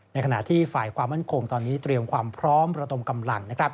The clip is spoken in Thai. ในขณะที่ฝ่ายความมั่นคงตอนนี้เตรียมความพร้อมระดมกำลัง